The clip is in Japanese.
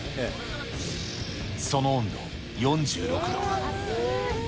その温度、４６度。